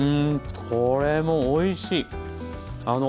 これもおいしい！